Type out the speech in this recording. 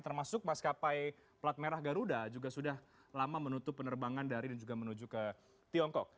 termasuk maskapai plat merah garuda juga sudah lama menutup penerbangan dari dan juga menuju ke tiongkok